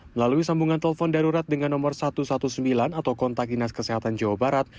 melalui sambungan telepon darurat dengan nomor satu ratus sembilan belas atau kontak dinas kesehatan jawa barat